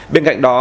bên cạnh đó